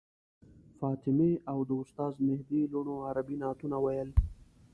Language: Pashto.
فاطمې او د استاد مهدي لوڼو عربي نعتونه ویل.